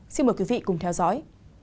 xin mời quý vị cùng theo dõi